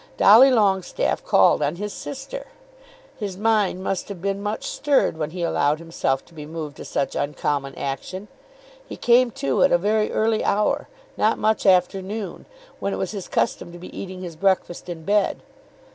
Dolly Longestaffe called on his sister! His mind must have been much stirred when he allowed himself to be moved to such uncommon action. He came too at a very early hour, not much after noon, when it was his custom to be eating his breakfast in bed.